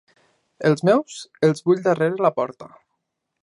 Els meus, els vull darrere la porta.